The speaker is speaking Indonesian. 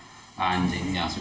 terus kita bisa menjaga kemampuan